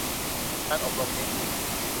การอบรมเลี้ยงดู